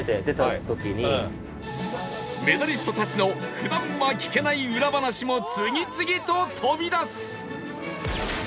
メダリストたちの普段は聞けない裏話も次々と飛び出す